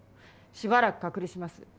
しばらく隔離します。